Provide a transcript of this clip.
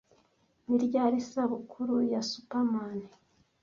Ni ryari isabukuru ya Superman